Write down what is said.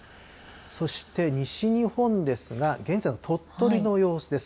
そして西日本ですが、現在の鳥取の様子です。